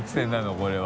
これは。